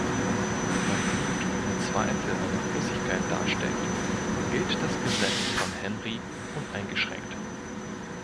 Weil Blut ohne Zweifel eine Flüssigkeit darstellt, gilt das Gesetz von Henry uneingeschränkt.